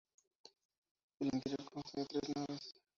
El interior consta de tres naves.